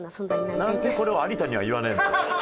なんでこれを有田には言わねえの？